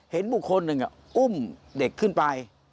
เห็นบุคคลหนึ่งอุ้มเด็กขึ้นไป